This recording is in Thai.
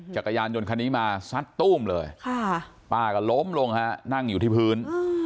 จักรยานยนต์คันนี้มาซัดตู้มเลยป้าก็ล้มลงฮะนั่งอยู่ที่พื้น